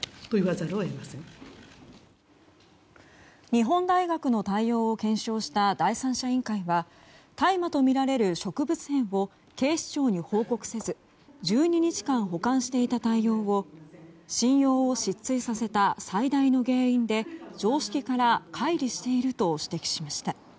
日本大学の対応を検証した第三者委員会は大麻とみられる植物片を警視庁に報告せず１２日間保管していた対応を信用を失墜させた最大の原因で常識から乖離していると指摘しました。